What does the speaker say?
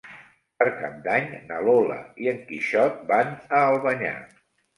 Per Cap d'Any na Lola i en Quixot van a Albanyà.